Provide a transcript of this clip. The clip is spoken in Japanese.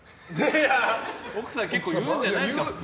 奥さん結構言うんじゃないですか、普通。